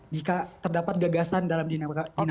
jika terdapat gagasan dalam dinamika